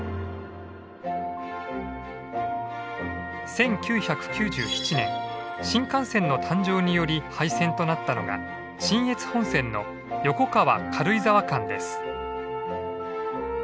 １９９７年新幹線の誕生により廃線となったのが信越本線の横川軽井沢間です。